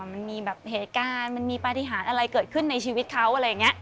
มันมีแบบเหตุการณ์มันมีปฏิหารอะไรเกิดขึ้นในชีวิตเขาอะไรอย่างนี้